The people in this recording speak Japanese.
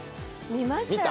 見ましたよ